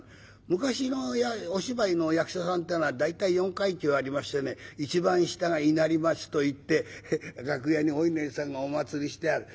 昔のお芝居の役者さんってのは大体４階級ありましてね一番下が稲荷町といって楽屋にお稲荷さんがお祭りしてある。